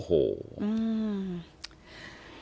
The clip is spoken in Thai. โหห